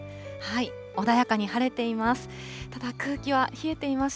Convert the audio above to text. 穏やかに晴れています。